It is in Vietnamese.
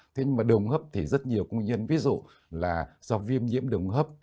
thế nhưng mà đường hấp thì rất nhiều nguyên nhân ví dụ là do viêm nhiễm đường hấp